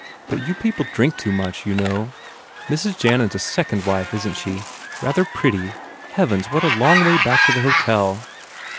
u But you people drink too much, you know? Mrs. Jannan s a second wife, isn t she? Rather pretty. Heavens, what a long way back to the hotel